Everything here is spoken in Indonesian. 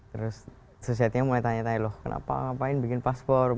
terus susiati mulai tanya tanya loh kenapa apa yang bikin paspor